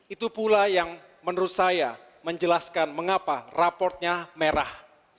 itu pula yang menurut saya menjelaskan mengapa raportnya merah